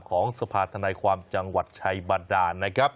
ของสภาธนายความจังหวัดชัยบันดาลนะครับ